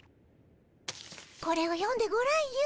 これを読んでごらんよ。